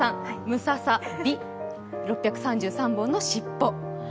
６３３、ムササビ、６３３本の尻尾。